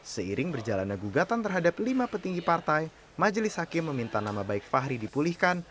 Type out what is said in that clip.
seiring berjalannya gugatan terhadap lima petinggi partai majelis hakim meminta nama baik fahri dipulihkan